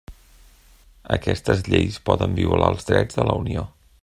Aquestes lleis poden violar els drets de la Unió.